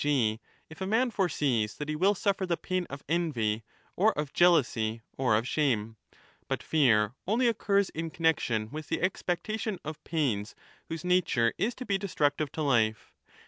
g. if a man foresees that he will suffer the pain of envy or of jealousy or of shame. But fear only occurs in 40 connexion with the expectation of pains whose nature Js^to 1229^ be destructive to life.